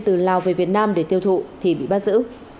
từ lào về việt nam để tiêu thụ thì bị bắt giữ